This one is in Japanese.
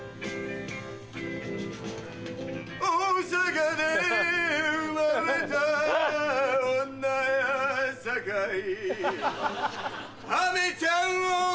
大阪で生まれた女やさかい